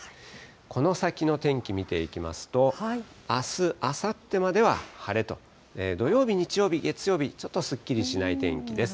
この先の天気、見ていきますと、あす、あさってまでは晴れと、土曜日、日曜日、月曜日、ちょっとすっきりしない天気です。